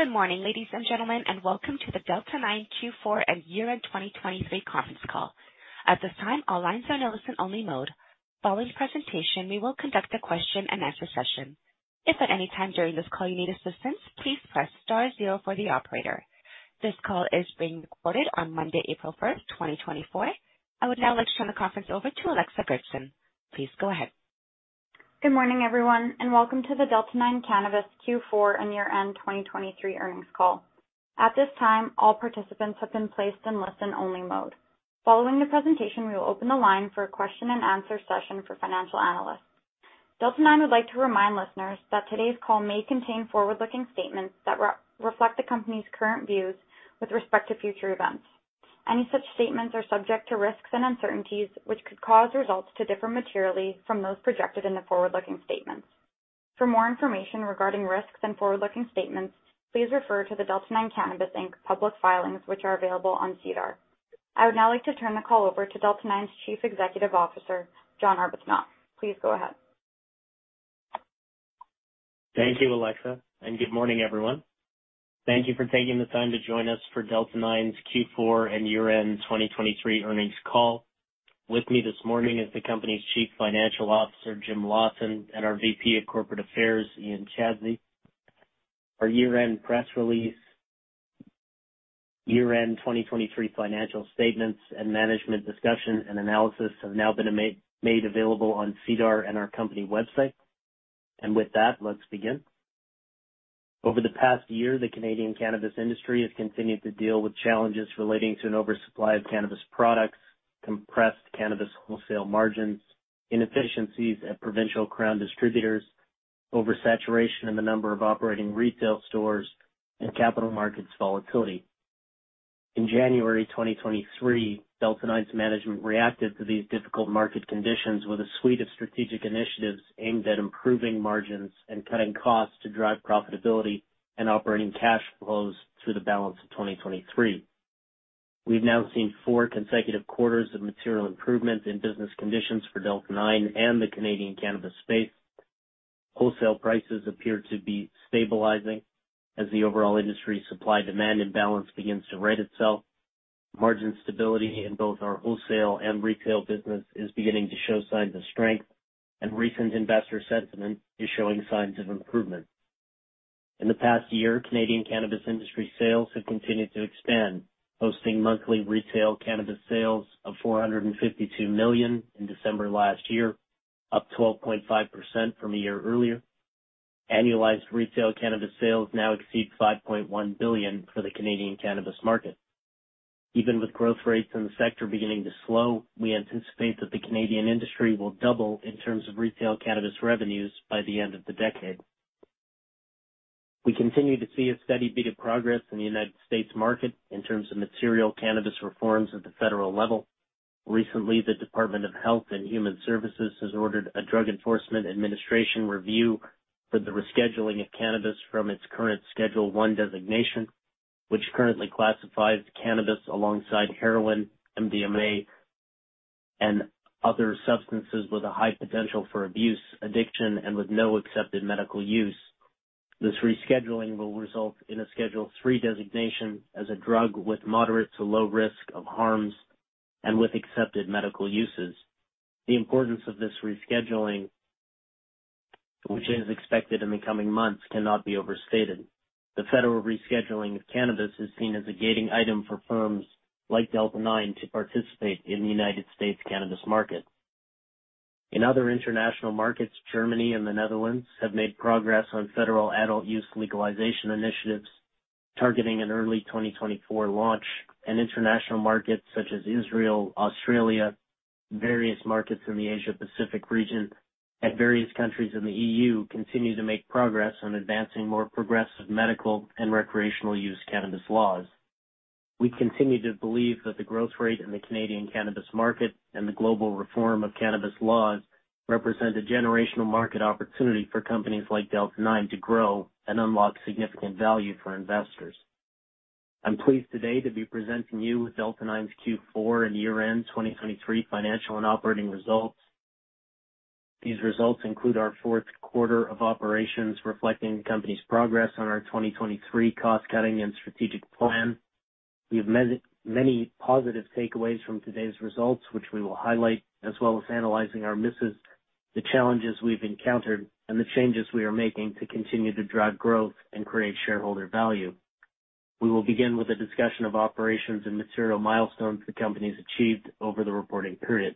Good morning, ladies and gentlemen, and welcome to the Delta 9 Q4 and year-end 2023 conference call. At this time, all lines are in listen-only mode. Following the presentation, we will conduct a question-and-answer session. If at any time during this call you need assistance, please press star zero for the operator. This call is being recorded on Monday, April 1st, 2024. I would now like to turn the conference over to Alexa Goertzen. Please go ahead. Good morning, everyone, and welcome to the Delta 9 Cannabis Q4 and year-end 2023 earnings call. At this time, all participants have been placed in listen-only mode. Following the presentation, we will open the line for a question-and-answer session for financial analysts. Delta 9 would like to remind listeners that today's call may contain forward-looking statements that reflect the company's current views with respect to future events. Any such statements are subject to risks and uncertainties, which could cause results to differ materially from those projected in the forward-looking statements. For more information regarding risks and forward-looking statements, please refer to the Delta 9 Cannabis, Inc. public filings, which are available on SEDAR. I would now like to turn the call over to Delta 9's Chief Executive Officer, John Arbuthnot. Please go ahead. Thank you, Alexa, and good morning, everyone. Thank you for taking the time to join us for Delta 9's Q4 and year-end 2023 earnings call. With me this morning is the company's Chief Financial Officer, Jim Lawson, and our VP of Corporate Affairs, Ian Chadsey. Our year-end press release, year-end 2023 financial statements, and Management Discussion and Analysis have now been made available on SEDAR and our company website. With that, let's begin. Over the past year, the Canadian cannabis industry has continued to deal with challenges relating to an oversupply of cannabis products, compressed cannabis wholesale margins, inefficiencies at provincial crown distributors, oversaturation in the number of operating retail stores, and capital markets volatility. In January 2023, Delta 9's management reacted to these difficult market conditions with a suite of strategic initiatives aimed at improving margins and cutting costs to drive profitability and operating cash flows through the balance of 2023. We've now seen four consecutive quarters of material improvements in business conditions for Delta 9 and the Canadian cannabis space. Wholesale prices appear to be stabilizing as the overall industry supply-demand imbalance begins to right itself. Margin stability in both our wholesale and retail business is beginning to show signs of strength, and recent investor sentiment is showing signs of improvement. In the past year, Canadian cannabis industry sales have continued to expand, posting monthly retail cannabis sales of 452 million in December last year, up 12.5% from a year earlier. Annualized retail cannabis sales now exceed 5.1 billion for the Canadian cannabis market. Even with growth rates in the sector beginning to slow, we anticipate that the Canadian industry will double in terms of retail cannabis revenues by the end of the decade. We continue to see a steady beat of progress in the United States market in terms of material cannabis reforms at the federal level. Recently, the Department of Health and Human Services has ordered a Drug Enforcement Administration review for the rescheduling of cannabis from its current Schedule I designation, which currently classifies cannabis alongside heroin, MDMA, and other substances with a high potential for abuse, addiction, and with no accepted medical use. This rescheduling will result in a Schedule III designation as a drug with moderate to low risk of harms and with accepted medical uses. The importance of this rescheduling, which is expected in the coming months, cannot be overstated. The federal rescheduling of cannabis is seen as a gating item for firms like Delta 9 to participate in the United States cannabis market. In other international markets, Germany and the Netherlands have made progress on federal adult-use legalization initiatives targeting an early 2024 launch. International markets such as Israel, Australia, various markets in the Asia-Pacific region, and various countries in the EU continue to make progress on advancing more progressive medical and recreational use cannabis laws. We continue to believe that the growth rate in the Canadian cannabis market and the global reform of cannabis laws represent a generational market opportunity for companies like Delta 9 to grow and unlock significant value for investors. I'm pleased today to be presenting you with Delta 9's Q4 and year-end 2023 financial and operating results. These results include our fourth quarter of operations reflecting the company's progress on our 2023 cost-cutting and strategic plan. We have many positive takeaways from today's results, which we will highlight, as well as analyzing our misses, the challenges we've encountered, and the changes we are making to continue to drive growth and create shareholder value. We will begin with a discussion of operations and material milestones the company's achieved over the reporting period.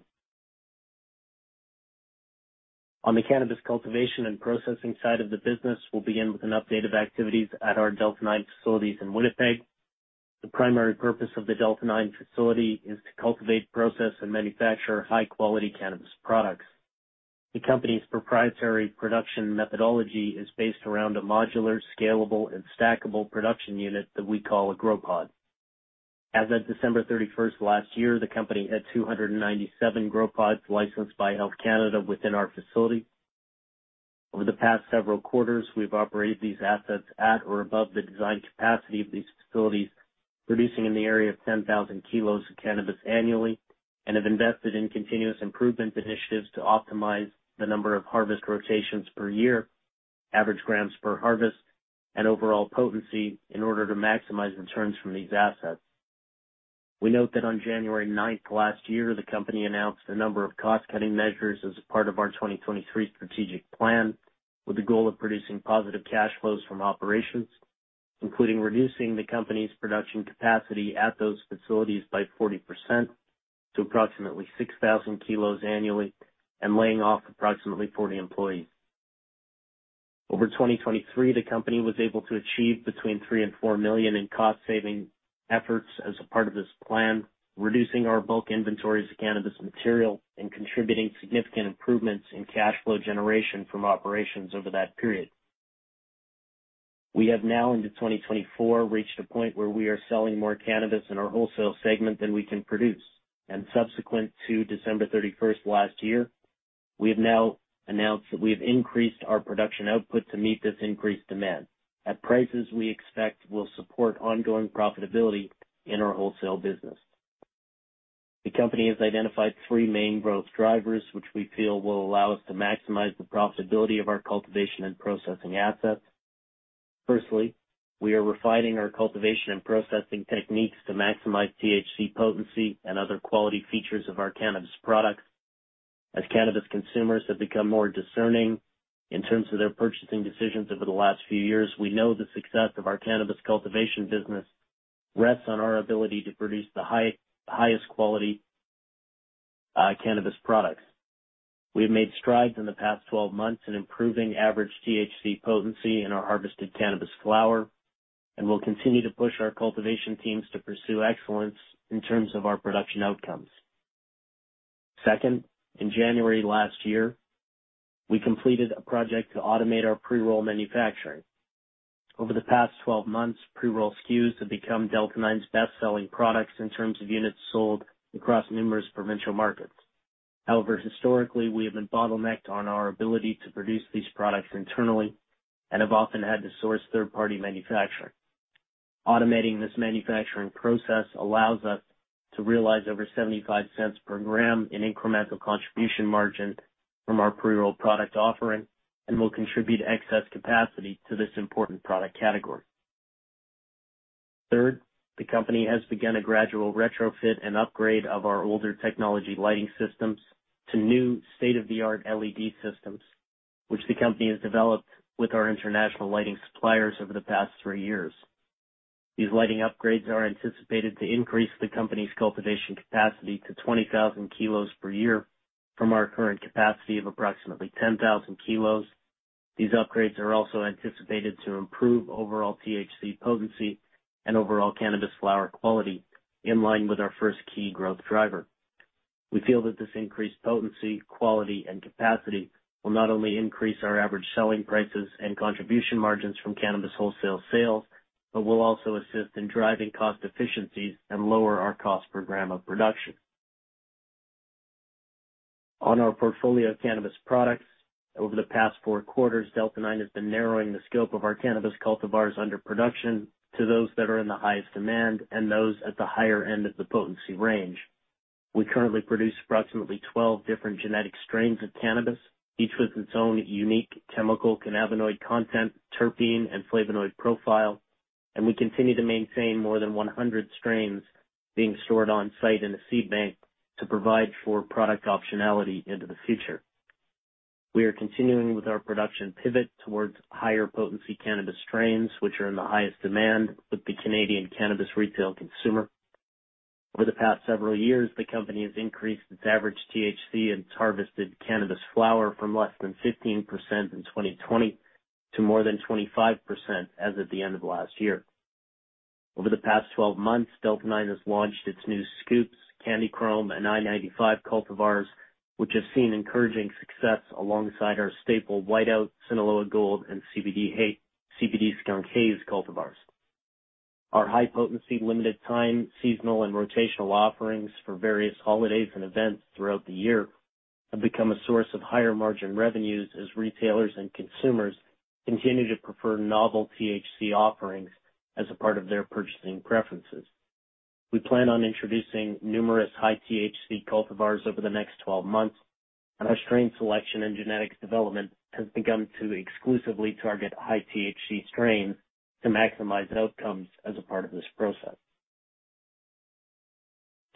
On the cannabis cultivation and processing side of the business, we'll begin with an update of activities at our Delta 9 facilities in Winnipeg. The primary purpose of the Delta 9 facility is to cultivate, process, and manufacture high-quality cannabis products. The company's proprietary production methodology is based around a modular, scalable, and stackable production unit that we call a Grow Pod. As of December 31st last year, the company had 297 Grow Pods licensed by Health Canada within our facility. Over the past several quarters, we've operated these assets at or above the design capacity of these facilities, producing in the area of 10,000 kilos of cannabis annually, and have invested in continuous improvement initiatives to optimize the number of harvest rotations per year, average grams per harvest, and overall potency in order to maximize returns from these assets. We note that on January 9th last year, the company announced a number of cost-cutting measures as a part of our 2023 strategic plan with the goal of producing positive cash flows from operations, including reducing the company's production capacity at those facilities by 40% to approximately 6,000 kilos annually and laying off approximately 40 employees. Over 2023, the company was able to achieve between 3 million-4 million in cost-saving efforts as a part of this plan, reducing our bulk inventories of cannabis material and contributing significant improvements in cash flow generation from operations over that period. We have now, into 2024, reached a point where we are selling more cannabis in our wholesale segment than we can produce. Subsequent to December 31st last year, we have now announced that we have increased our production output to meet this increased demand at prices we expect will support ongoing profitability in our wholesale business. The company has identified three main growth drivers, which we feel will allow us to maximize the profitability of our cultivation and processing assets. Firstly, we are refining our cultivation and processing techniques to maximize THC potency and other quality features of our cannabis products. As cannabis consumers have become more discerning in terms of their purchasing decisions over the last few years, we know the success of our cannabis cultivation business rests on our ability to produce the highest quality cannabis products. We have made strides in the past 12 months in improving average THC potency in our harvested cannabis flower, and we'll continue to push our cultivation teams to pursue excellence in terms of our production outcomes. Second, in January last year, we completed a project to automate our pre-roll manufacturing. Over the past 12 months, pre-roll SKUs have become Delta 9's best-selling products in terms of units sold across numerous provincial markets. However, historically, we have been bottlenecked on our ability to produce these products internally and have often had to source third-party manufacturing. Automating this manufacturing process allows us to realize over 0.75 per gram in incremental contribution margin from our pre-roll product offering and will contribute excess capacity to this important product category. Third, the company has begun a gradual retrofit and upgrade of our older technology lighting systems to new state-of-the-art LED systems, which the company has developed with our international lighting suppliers over the past three years. These lighting upgrades are anticipated to increase the company's cultivation capacity to 20,000 kilos per year from our current capacity of approximately 10,000 kilos. These upgrades are also anticipated to improve overall THC potency and overall cannabis flower quality in line with our first key growth driver. We feel that this increased potency, quality, and capacity will not only increase our average selling prices and contribution margins from cannabis wholesale sales but will also assist in driving cost efficiencies and lower our cost per gram of production. On our portfolio of cannabis products, over the past four quarters, Delta 9 has been narrowing the scope of our cannabis cultivars under production to those that are in the highest demand and those at the higher end of the potency range. We currently produce approximately 12 different genetic strains of cannabis, each with its own unique chemical cannabinoid content, terpene, and flavonoid profile. We continue to maintain more than 100 strains being stored on-site in a seed bank to provide for product optionality into the future. We are continuing with our production pivot towards higher potency cannabis strains, which are in the highest demand with the Canadian cannabis retail consumer. Over the past several years, the company has increased its average THC in its harvested cannabis flower from less than 15% in 2020 to more than 25% as of the end of last year. Over the past 12 months, Delta 9 has launched its new Scoops, Candy Chrome, and I-95 cultivars, which have seen encouraging success alongside our staple Whiteout, Sinaloa Gold, and CBD Skunk Haze cultivars. Our high-potency, limited-time, seasonal, and rotational offerings for various holidays and events throughout the year have become a source of higher margin revenues as retailers and consumers continue to prefer novel THC offerings as a part of their purchasing preferences. We plan on introducing numerous high-THC cultivars over the next 12 months, and our strain selection and genetics development has begun to exclusively target high-THC strains to maximize outcomes as a part of this process.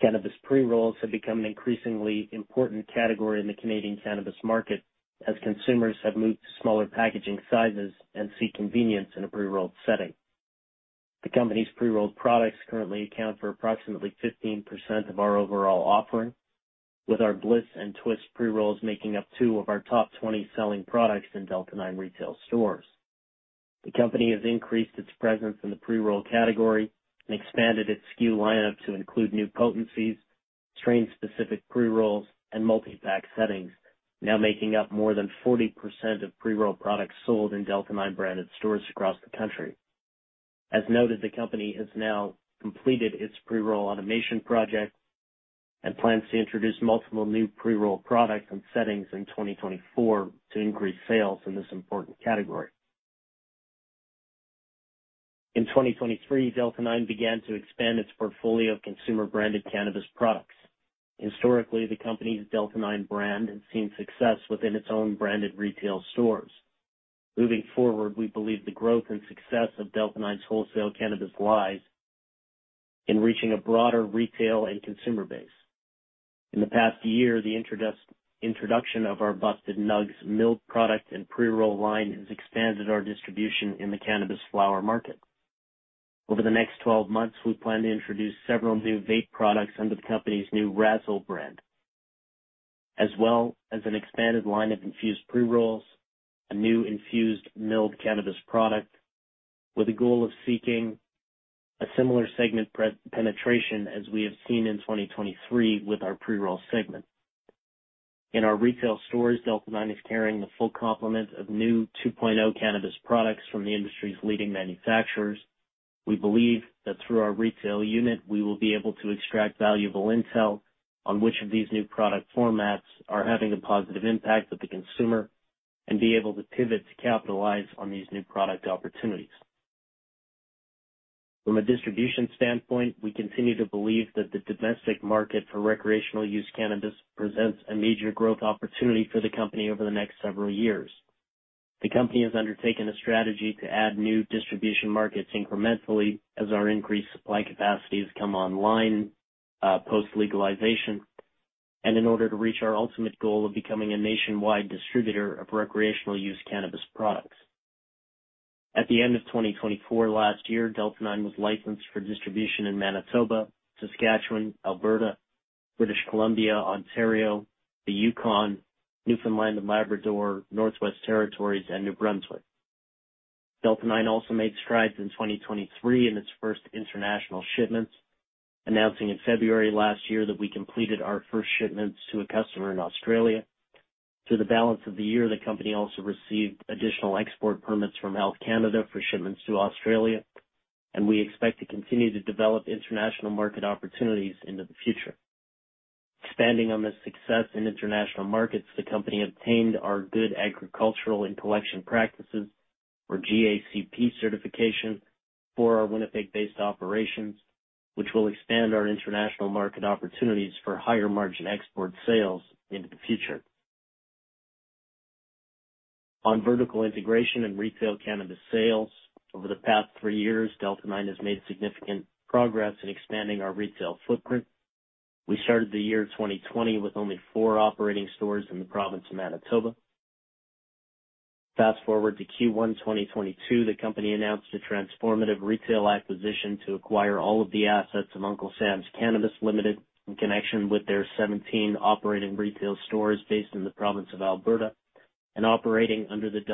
Cannabis pre-rolls have become an increasingly important category in the Canadian cannabis market as consumers have moved to smaller packaging sizes and seek convenience in a pre-rolled setting. The company's pre-rolled products currently account for approximately 15% of our overall offering, with our Bliss and Twist pre-rolls making up two of our top 20 selling products in Delta 9 retail stores. The company has increased its presence in the pre-roll category and expanded its SKU lineup to include new potencies, strain-specific pre-rolls, and multi-pack settings, now making up more than 40% of pre-roll products sold in Delta 9 branded stores across the country. As noted, the company has now completed its pre-roll automation project and plans to introduce multiple new pre-roll products and settings in 2024 to increase sales in this important category. In 2023, Delta 9 began to expand its portfolio of consumer-branded cannabis products. Historically, the company's Delta 9 brand has seen success within its own branded retail stores. Moving forward, we believe the growth and success of Delta 9's wholesale cannabis lies in reaching a broader retail and consumer base. In the past year, the introduction of our Busted Nugs milled product and pre-roll line has expanded our distribution in the cannabis flower market. Over the next 12 months, we plan to introduce several new vape products under the company's new Razzle brand, as well as an expanded line of infused pre-rolls, a new infused milled cannabis product, with a goal of seeking a similar segment penetration as we have seen in 2023 with our pre-roll segment. In our retail stores, Delta 9 is carrying the full complement of new 2.0 cannabis products from the industry's leading manufacturers. We believe that through our retail unit, we will be able to extract valuable intel on which of these new product formats are having a positive impact with the consumer and be able to pivot to capitalize on these new product opportunities. From a distribution standpoint, we continue to believe that the domestic market for recreational use cannabis presents a major growth opportunity for the company over the next several years. The company has undertaken a strategy to add new distribution markets incrementally as our increased supply capacity has come online post-legalization and in order to reach our ultimate goal of becoming a nationwide distributor of recreational use cannabis products. At the end of 2024 last year, Delta 9 was licensed for distribution in Manitoba, Saskatchewan, Alberta, British Columbia, Ontario, the Yukon, Newfoundland and Labrador, Northwest Territories, and New Brunswick. Delta 9 also made strides in 2023 in its first international shipments, announcing in February last year that we completed our first shipments to a customer in Australia. Through the balance of the year, the company also received additional export permits from Health Canada for shipments to Australia, and we expect to continue to develop international market opportunities into the future. Expanding on this success in international markets, the company obtained our Good Agricultural and Collection Practices, or GACP, certification for our Winnipeg-based operations, which will expand our international market opportunities for higher margin export sales into the future. On vertical integration and retail cannabis sales, over the past three years, Delta 9 has made significant progress in expanding our retail footprint. We started the year 2020 with only four operating stores in the province of Manitoba. Fast forward to Q1 2022, the company announced a transformative retail acquisition to acquire all of the assets of Uncle Sam’s Cannabis Limited in connection with their 17 operating retail stores based in the province of Alberta and operating under the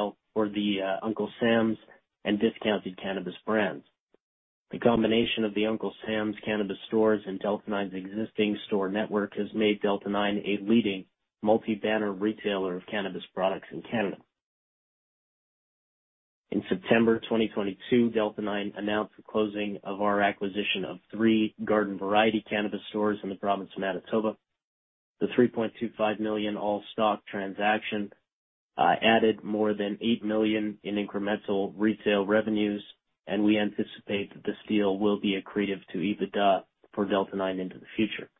Uncle Sam’s and Discounted Cannabis brands. The combination of the Uncle Sam’s Cannabis stores and Delta 9's existing store network has made Delta 9 a leading multi-banner retailer of cannabis products in Canada. In September 2022, Delta 9 announced the closing of our acquisition of three Garden Variety cannabis stores in the province of Manitoba. The 3.25 million all-stock transaction added more than 8 million in incremental retail revenues, and we anticipate that this deal will be accretive to EBITDA for Delta 9 into the future.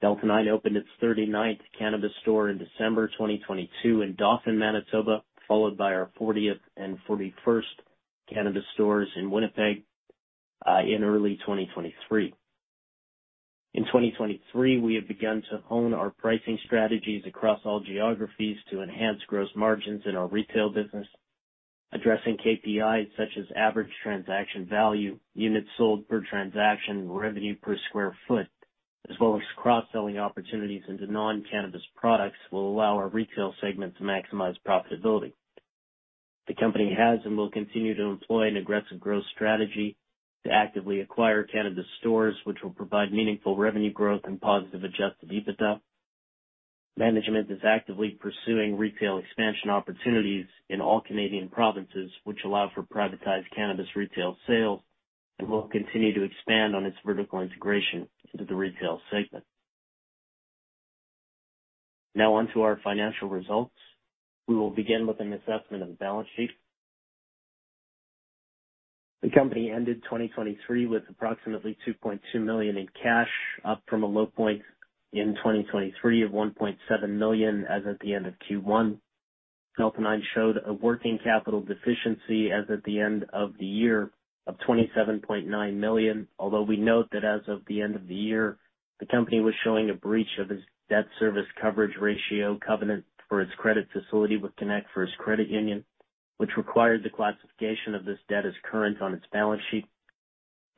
Delta 9 opened its 39th cannabis store in December 2022 in Dauphin, Manitoba, followed by our 40th and 41st cannabis stores in Winnipeg in early 2023. In 2023, we have begun to hone our pricing strategies across all geographies to enhance gross margins in our retail business. Addressing KPIs such as average transaction value, units sold per transaction, revenue per square foot, as well as cross-selling opportunities into non-cannabis products will allow our retail segment to maximize profitability. The company has and will continue to employ an aggressive growth strategy to actively acquire cannabis stores, which will provide meaningful revenue growth and positive Adjusted EBITDA. Management is actively pursuing retail expansion opportunities in all Canadian provinces, which allow for privatized cannabis retail sales, and will continue to expand on its vertical integration into the retail segment. Now onto our financial results. We will begin with an assessment of the balance sheet. The company ended 2023 with approximately 2.2 million in cash, up from a low point in 2023 of 1.7 million as at the end of Q1. Delta 9 showed a working capital deficiency as at the end of the year of 27.9 million, although we note that as of the end of the year, the company was showing a breach of its debt service coverage ratio covenant for its credit facility with connectFirst Credit Union, which required the classification of this debt as current on its balance sheet.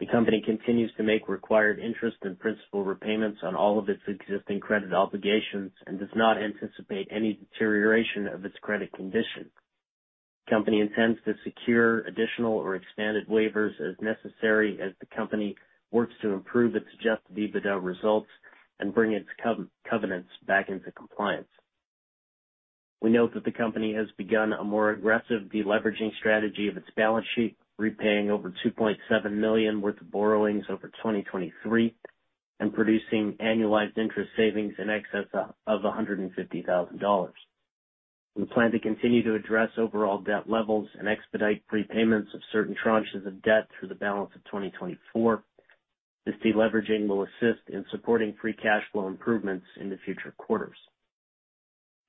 The company continues to make required interest and principal repayments on all of its existing credit obligations and does not anticipate any deterioration of its credit condition. The company intends to secure additional or expanded waivers as necessary as the company works to improve its Adjusted EBITDA results and bring its covenants back into compliance. We note that the company has begun a more aggressive deleveraging strategy of its balance sheet, repaying over 2.7 million worth of borrowings over 2023 and producing annualized interest savings in excess of 150,000 dollars. We plan to continue to address overall debt levels and expedite repayments of certain tranches of debt through the balance of 2024. This deleveraging will assist in supporting free cash flow improvements in the future quarters.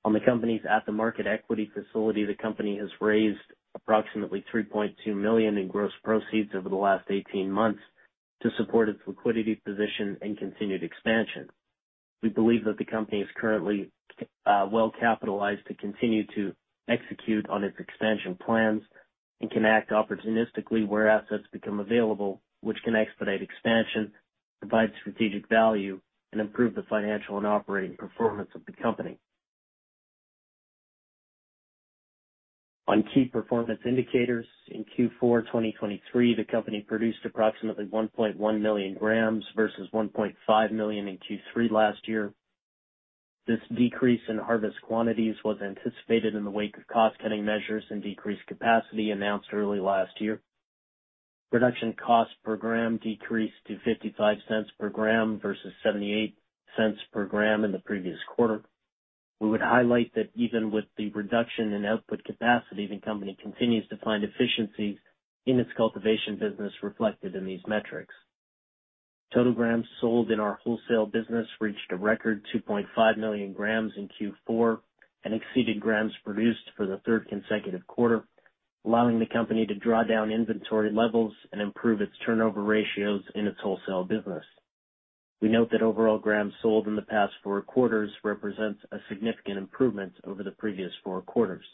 On the company's at-the-market equity facility, the company has raised approximately 3.2 million in gross proceeds over the last 18 months to support its liquidity position and continued expansion. We believe that the company is currently well capitalized to continue to execute on its expansion plans and can act opportunistically where assets become available, which can expedite expansion, provide strategic value, and improve the financial and operating performance of the company. On key performance indicators, in Q4 2023, the company produced approximately 1.1 million grams versus 1.5 million in Q3 last year. This decrease in harvest quantities was anticipated in the wake of cost-cutting measures and decreased capacity announced early last year. Production cost per gram decreased to 0.55 per gram versus 0.78 per gram in the previous quarter. We would highlight that even with the reduction in output capacity, the company continues to find efficiencies in its cultivation business reflected in these metrics. Total grams sold in our wholesale business reached a record 2.5 million grams in Q4 and exceeded grams produced for the third consecutive quarter, allowing the company to draw down inventory levels and improve its turnover ratios in its wholesale business. We note that overall grams sold in the past four quarters represents a significant improvement over the previous four quarters.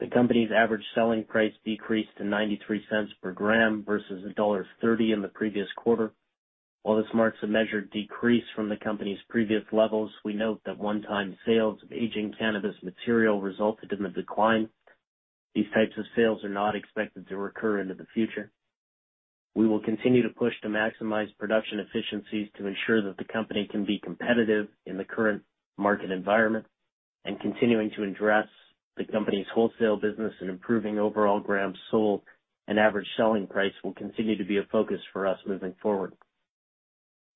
The company's average selling price decreased to 0.93 per gram versus dollar 1.30 in the previous quarter. While this marks a measured decrease from the company's previous levels, we note that one-time sales of aging cannabis material resulted in a decline. These types of sales are not expected to recur into the future. We will continue to push to maximize production efficiencies to ensure that the company can be competitive in the current market environment, and continuing to address the company's wholesale business and improving overall grams sold and average selling price will continue to be a focus for us moving forward.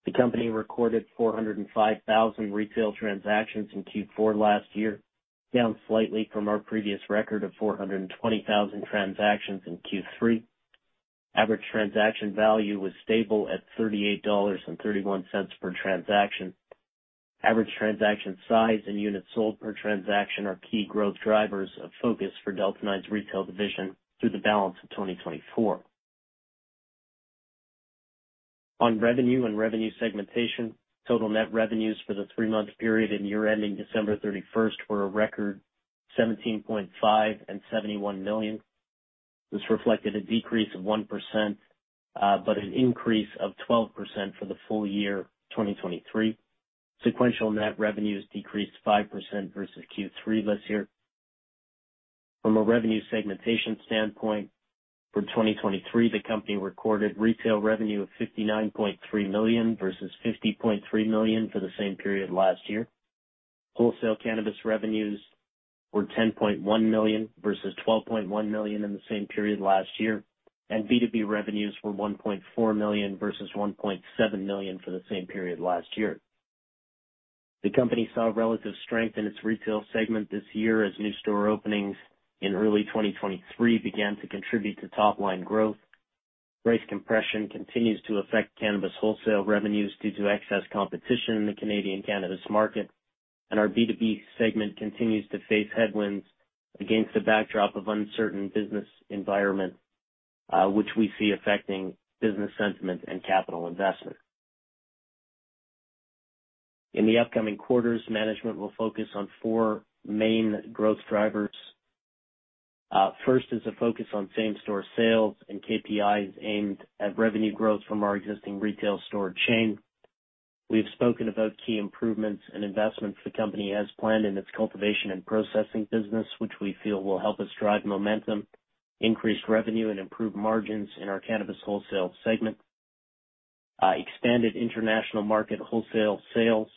The company recorded 405,000 retail transactions in Q4 last year, down slightly from our previous record of 420,000 transactions in Q3. Average transaction value was stable at 38.31 dollars per transaction. Average transaction size and units sold per transaction are key growth drivers of focus for Delta 9's retail division through the balance of 2024. On revenue and revenue segmentation, total net revenues for the three-month period and year-ending December 31st were a record 17.5 million and 71 million. This reflected a decrease of 1% but an increase of 12% for the full year 2023. Sequential net revenues decreased 5% versus Q3 this year. From a revenue segmentation standpoint, for 2023, the company recorded retail revenue of 59.3 million versus 50.3 million for the same period last year. Wholesale cannabis revenues were 10.1 million versus 12.1 million in the same period last year, and B2B revenues were 1.4 million versus 1.7 million for the same period last year. The company saw relative strength in its retail segment this year as new store openings in early 2023 began to contribute to top-line growth. Price compression continues to affect cannabis wholesale revenues due to excess competition in the Canadian cannabis market, and our B2B segment continues to face headwinds against a backdrop of uncertain business environment, which we see affecting business sentiment and capital investment. In the upcoming quarters, management will focus on four main growth drivers. First is a focus on same-store sales and KPIs aimed at revenue growth from our existing retail store chain. We have spoken about key improvements and investments the company has planned in its cultivation and processing business, which we feel will help us drive momentum, increase revenue, and improve margins in our cannabis wholesale segment, expanded international market wholesale sales,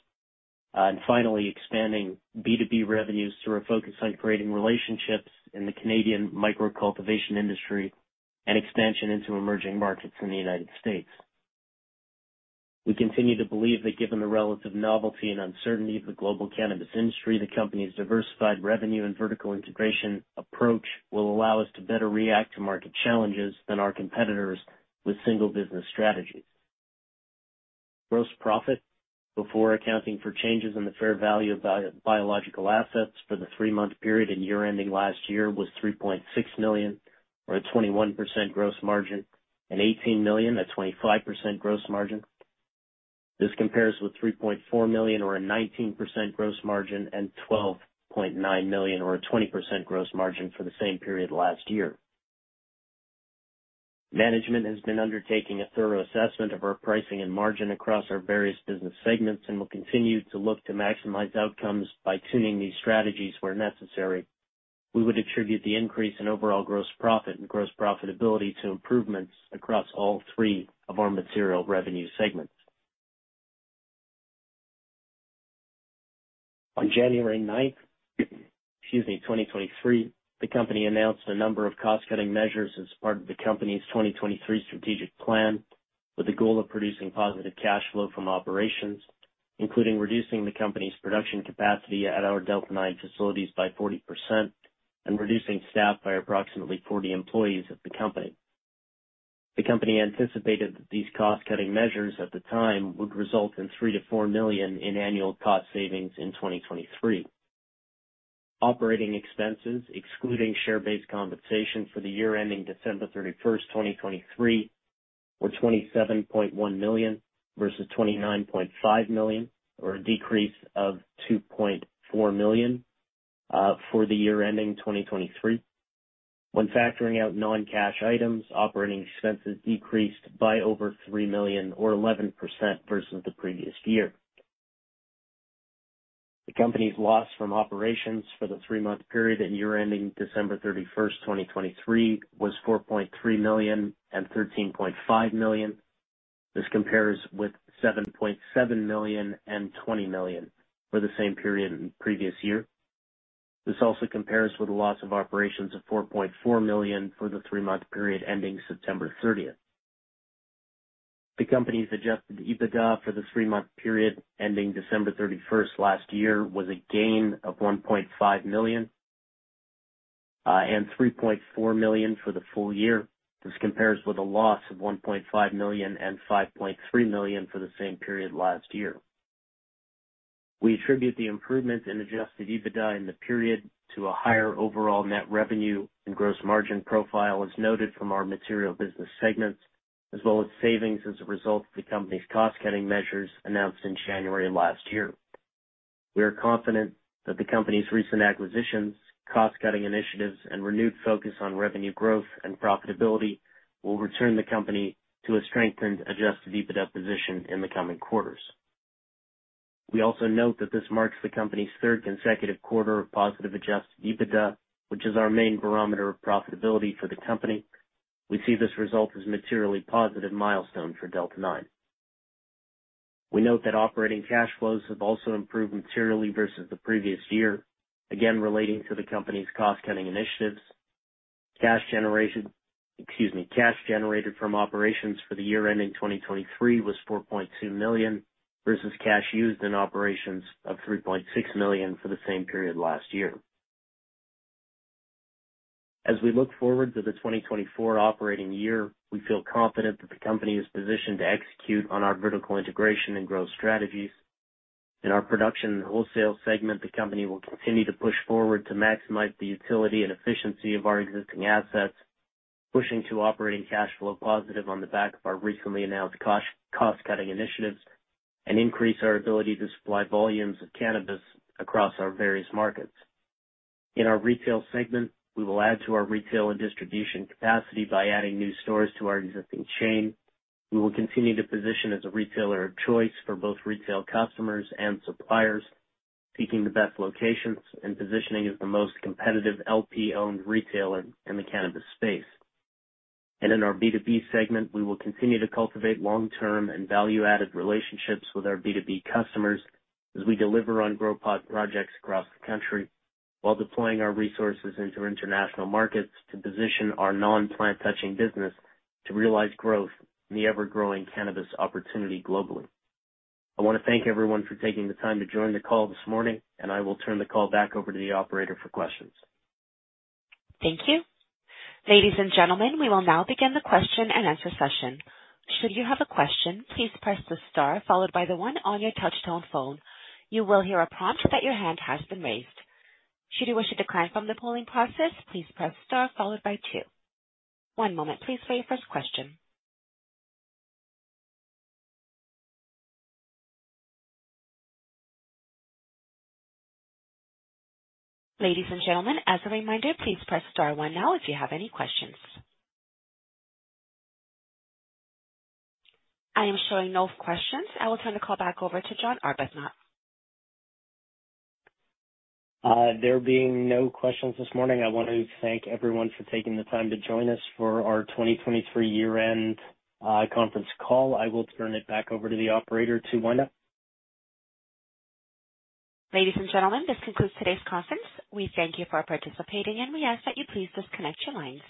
and finally expanding B2B revenues through a focus on creating relationships in the Canadian micro-cultivation industry and expansion into emerging markets in the United States. We continue to believe that given the relative novelty and uncertainty of the global cannabis industry, the company's diversified revenue and vertical integration approach will allow us to better react to market challenges than our competitors with single-business strategies. Gross profit before accounting for changes in the fair value of biological assets for the three-month period and year-ending last year was 3.6 million, or a 21% gross margin, and 18 million, a 25% gross margin. This compares with 3.4 million, or a 19% gross margin, and 12.9 million, or a 20% gross margin for the same period last year. Management has been undertaking a thorough assessment of our pricing and margin across our various business segments and will continue to look to maximize outcomes by tuning these strategies where necessary. We would attribute the increase in overall gross profit and gross profitability to improvements across all three of our material revenue segments. On January 9th, excuse me, 2023, the company announced a number of cost-cutting measures as part of the company's 2023 strategic plan with the goal of producing positive cash flow from operations, including reducing the company's production capacity at our Delta 9 facilities by 40% and reducing staff by approximately 40 employees at the company. The company anticipated that these cost-cutting measures at the time would result in 3 million-4 million in annual cost savings in 2023. Operating expenses, excluding share-based compensation for the year-ending December 31st, 2023, were 27.1 million versus 29.5 million, or a decrease of 2.4 million for the year-ending 2023. When factoring out non-cash items, operating expenses decreased by over 3 million, or 11% versus the previous year. The company's loss from operations for the three-month period and year-ending December 31st, 2023, was 4.3 million and 13.5 million. This compares with 7.7 million and 20 million for the same period and previous year. This also compares with a loss of operations of 4.4 million for the three-month period ending September 30th. The company's Adjusted EBITDA for the three-month period ending December 31st last year was a gain of 1.5 million and 3.4 million for the full year. This compares with a loss of 1.5 million and 5.3 million for the same period last year. We attribute the improvements in Adjusted EBITDA in the period to a higher overall net revenue and gross margin profile as noted from our material business segments, as well as savings as a result of the company's cost-cutting measures announced in January last year. We are confident that the company's recent acquisitions, cost-cutting initiatives, and renewed focus on revenue growth and profitability will return the company to a strengthened Adjusted EBITDA position in the coming quarters. We also note that this marks the company's third consecutive quarter of positive Adjusted EBITDA, which is our main barometer of profitability for the company. We see this result as a materially positive milestone for Delta 9. We note that operating cash flows have also improved materially versus the previous year, again relating to the company's cost-cutting initiatives. Cash generated from operations for the year ending 2023 was 4.2 million versus cash used in operations of 3.6 million for the same period last year. As we look forward to the 2024 operating year, we feel confident that the company is positioned to execute on our vertical integration and growth strategies. In our production and wholesale segment, the company will continue to push forward to maximize the utility and efficiency of our existing assets, pushing to operating cash flow positive on the back of our recently announced cost-cutting initiatives and increase our ability to supply volumes of cannabis across our various markets. In our retail segment, we will add to our retail and distribution capacity by adding new stores to our existing chain. We will continue to position as a retailer of choice for both retail customers and suppliers, seeking the best locations and positioning as the most competitive LP-owned retailer in the cannabis space. In our B2B segment, we will continue to cultivate long-term and value-added relationships with our B2B customers as we deliver on growth projects across the country while deploying our resources into international markets to position our non-plant-touching business to realize growth in the ever-growing cannabis opportunity globally. I want to thank everyone for taking the time to join the call this morning, and I will turn the call back over to the operator for questions. Thank you. Ladies and gentlemen, we will now begin the question and answer session. Should you have a question, please press the star followed by the one on your touch-tone phone. You will hear a prompt that your hand has been raised. Should you wish to decline from the polling process, please press star followed by two. One moment, please, for your first question. Ladies and gentlemen, as a reminder, please press star one now if you have any questions. I am showing no questions. I will turn the call back over to John Arbuthnot. There being no questions this morning, I want to thank everyone for taking the time to join us for our 2023 year-end conference call. I will turn it back over to the operator to wind up. Ladies and gentlemen, this concludes today's conference. We thank you for participating, and we ask that you please disconnect your lines.